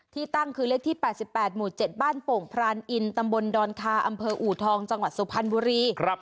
ที่ตั้งคือเลขที่๘๘หมู่๗บ้านโป่งพรานอินตำบลดอนคาอำเภออูทองจังหวัดสุพรรณบุรี